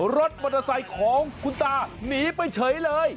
รถมอเตอร์ไซค์ของคุณตาหนีไปเฉยเลย